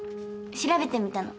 調べてみたの。